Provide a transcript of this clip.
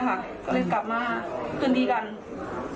นานยังครับเหตุการณ์นี้